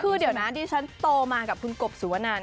คือเดี๋ยวนะดิฉันโตมากับคุณกบสุวนัน